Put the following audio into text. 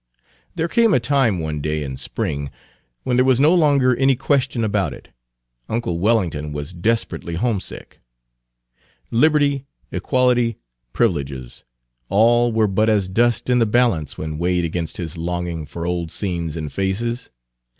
There came a time, one day in spring, when there was no longer any question about it: uncle Wellington was desperately homesick. Liberty, equality, privileges, all were but as dust in the balance when weighed against his longing for old scenes and faces.